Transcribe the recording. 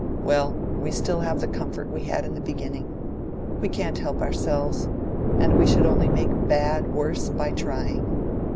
Well, we still have the comfort we had in the beginning; we can't help ourselves; and we should only make bad worse by trying.